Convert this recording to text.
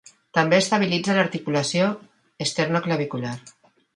També estabilitza l'articulació esternoclavicular.